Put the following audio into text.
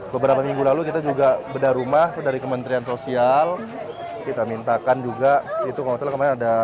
beberapa minggu lalu kita juga bedah rumah dari kementrian sosial kita mintakan juga itu kalau misalnya kemarin ada tujuh belas rumah